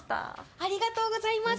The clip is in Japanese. ありがとうございます！